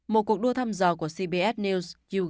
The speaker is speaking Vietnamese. một cuộc đua thăm dò của cbs news